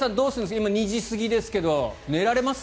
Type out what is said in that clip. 今、２時過ぎですが寝られます？